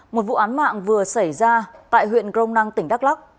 một vụ án mạng vừa xảy ra tại huyện grong nang tỉnh đắk lắc